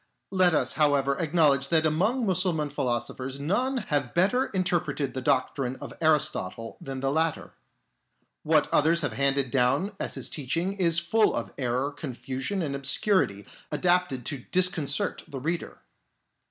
Let us, however, acknowledge that among Mussulman philosophers none have better inter preted the doctrine of Aristotle than the latter. What others have handed down as his teaching is full of error, confusion, and obscurity adapted to disconcert the reader.